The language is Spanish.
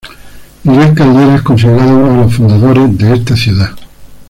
Miguel Caldera es considerado uno de los fundadores de esta ciudad.